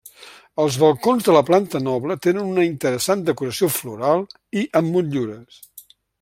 Els balcons de la planta noble tenen una interessant decoració floral i amb motllures.